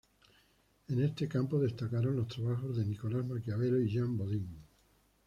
En este campo destacaron los trabajos de Nicolás Maquiavelo y Jean Bodin.